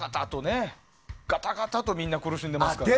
ガタガタとみんな苦しんでますから。